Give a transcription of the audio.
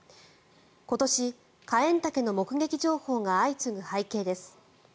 今年、カエンタケの目撃情報が相次ぐ背景です。